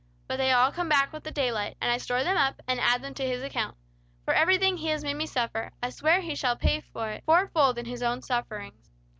But they all come back with the daylight; and I store them up and add them to his account. For everything he has made me suffer, I swear he shall pay for it four fold in his own sufferings!"